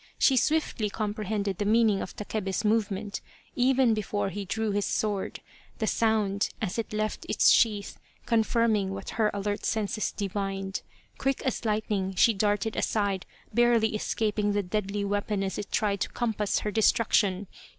She swiftly comprehended the meaning of Takebe's movement, 210 Loyal, Even Unto Death even before he drew his sword, the sound, as it left its sheath, confirming what her alert senses divined. Quick as lightning she darted aside, barely escaping the deadly weapon as it tried to compass her destruc tion.